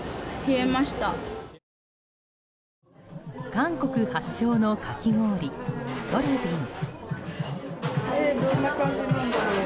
韓国発祥のかき氷ソルビン。